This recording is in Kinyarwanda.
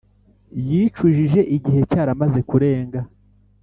yicujije igihe cyaramaze kurenga